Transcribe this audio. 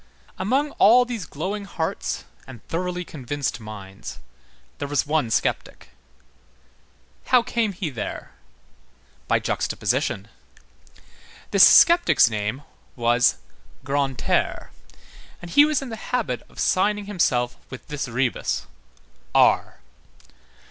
Among all these glowing hearts and thoroughly convinced minds, there was one sceptic. How came he there? By juxtaposition. This sceptic's name was Grantaire, and he was in the habit of signing himself with this rebus: R.